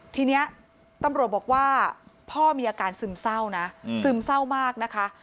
ทีนี้ตำรวจบอกว่าพ่อมีอาการซึมเศร้านะซึมเศร้ามากนะคะ